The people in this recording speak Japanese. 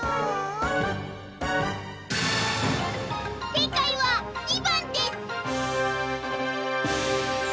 せいかいは２ばんです！